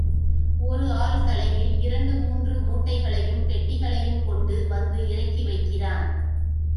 ஒரு ஆள் தலையில் இரண்டு மூன்று மூட்டைகளையும் பெட்டியையும் கொண்டு வந்து இறக்கிவைக்கிறான்.